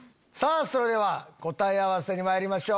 それでは答え合わせにまいりましょう。